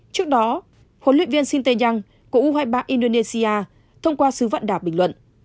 trước đó khuôn luyện viên sinteyang của u hai mươi ba indonesia thông qua sứ vận đảm bình luận